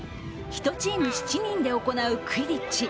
１チーム７人で行うクィディッチ。